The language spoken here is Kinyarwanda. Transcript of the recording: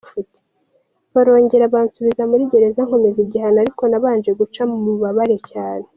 barongera bansubiza muri gereza nkomeza igihano ariko nabanje guca mu bubabare cyane.